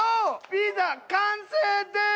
ピザ完成です！